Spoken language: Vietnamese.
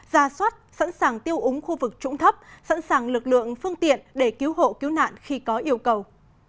ra soát sẵn sàng tiêu úng khu vực trũng thấp sẵn sàng lực lượng phương tiện để cứu hộ cứu nạn khi có yêu cầu